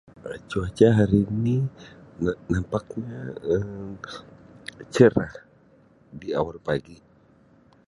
Um Cuaca hari ni na-nampaknya Um cerah diawal pagi.